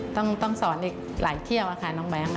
ต้องสอนอีกหลายเที่ยวค่ะน้องแก๊งค่ะ